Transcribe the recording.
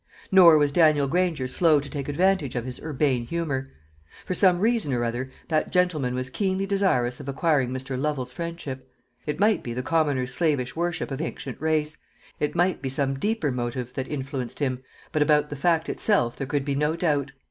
Nor was Daniel Granger slow to take advantage of his urbane humour. For some reason or other, that gentleman was keenly desirous of acquiring Mr. Lovel's friendship. It might be the commoner's slavish worship of ancient race, it might be some deeper motive, that influenced him, but about the fact itself there could be no doubt.